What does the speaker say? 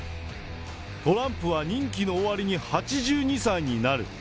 トランプは任期の終わりに８２歳になる。